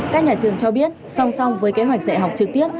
các nhà trường cho biết song song với kế hoạch dạy học trực tiếp